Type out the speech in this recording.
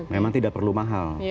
memang tidak perlu mahal